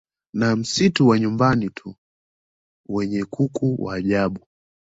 na Msitu wa Nyumbanitu wenye kuku wa ajabu